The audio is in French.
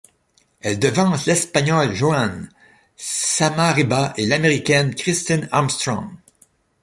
Elle devance l'Espagnole Joane Somarriba et l'Américaine Kristin Armstrong.